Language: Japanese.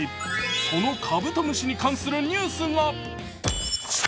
そのカブトムシに関するニュースが。